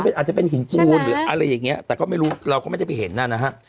อาจจะเป็นหินปูนหรืออะไรอย่างเงี้แต่ก็ไม่รู้เราก็ไม่ได้ไปเห็นน่ะนะฮะ